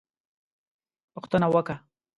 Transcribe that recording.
_پوښتنه وکه!